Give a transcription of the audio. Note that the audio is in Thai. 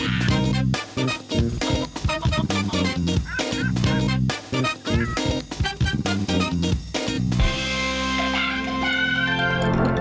แล้วรูปอยู่ประหลาดนี่ค่ะ